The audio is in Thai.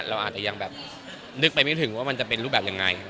เราอาจจะยังแบบนึกไปไม่ถึงว่ามันจะเป็นรูปแบบยังไง